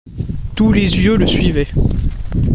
Tous les yeux le suivaient.